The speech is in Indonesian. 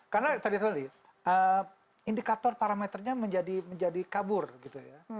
karena tadi tadi indikator parameternya menjadi kabur gitu ya